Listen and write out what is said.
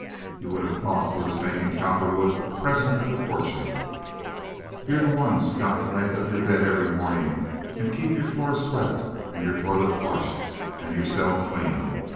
(You would have thought he was making Cowperwood a present of a fortune.) "You're the one's got to make up your bed every mornin' and keep your floor swept and your toilet flushed and your cell clean.